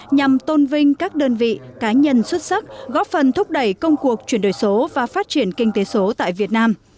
nhằm tôn vinh các đơn vị cá nhân xuất sắc góp phần thúc đẩy công cuộc chuyển đổi số và phát triển kinh tế số tại việt nam